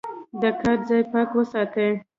د کار ځای پاک وساتئ.